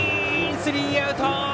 スリーアウト。